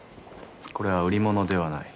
これは売り物ではない。